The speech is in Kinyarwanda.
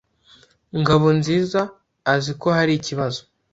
Ngabonziza azi ko hari ikibazo.